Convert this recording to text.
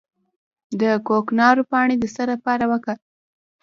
د کوکنارو پاڼې د څه لپاره وکاروم؟